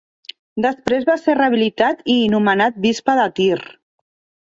Després va ser rehabilitat i nomenat bisbe de Tir.